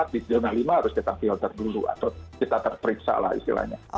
di zona lima harus kita filter dulu atau kita terperiksa lah istilahnya